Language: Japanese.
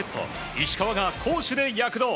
石川が攻守で躍動。